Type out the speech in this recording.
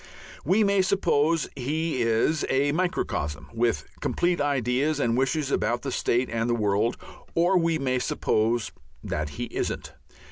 We may suppose he is a microcosm, with complete ideas and wishes about the state and the world, or we may suppose that he isn't.